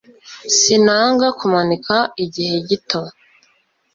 Sinanga kumanika igihe gito.